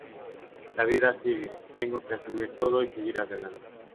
La vida sigue, tengo que asumir todo y seguir adelante".